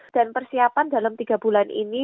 dan persiapan dalam tiga bulan ini